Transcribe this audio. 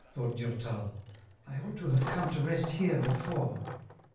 thought Durtal ; "I ought to have come to rest here before."